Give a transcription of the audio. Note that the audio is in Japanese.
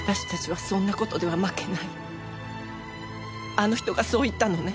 あの人がそう言ったのね？